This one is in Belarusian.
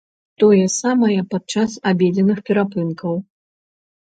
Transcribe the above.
Тое самае падчас абедзенных перапынкаў.